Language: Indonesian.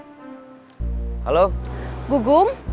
untuk siapenteh dari diukuran nak panggil gawat